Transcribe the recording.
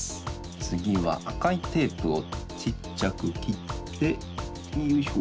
つぎはあかいテープをちっちゃくきってよいしょ。